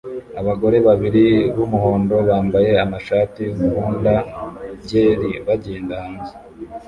Abagore babiri b'umuhondo bambaye amashati "Nkunda byeri" bagenda hanze